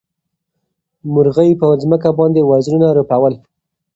مرغۍ په ځمکه باندې وزرونه رپول.